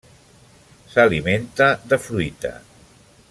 S'alimenta de fruita.